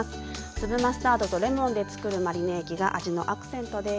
粒マスタードとレモンでつくるマリネ液が味のアクセントです。